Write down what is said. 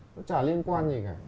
nó chả liên quan gì cả